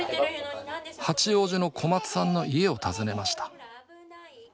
八王子の小松さんの家を訪ねました。